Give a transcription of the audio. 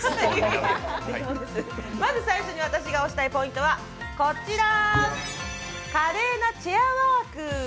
まず、最初に私が推したいポイントは華麗なチェアワーク！